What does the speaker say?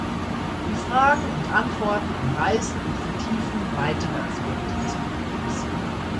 Die Fragen und Antworten umreißen und vertiefen weitere Aspekte des Problems.